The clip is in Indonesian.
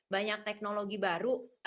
banyak teknologi baru